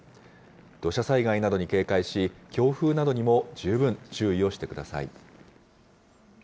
土砂災害などに警戒し、強風などにも十分注意をしてください。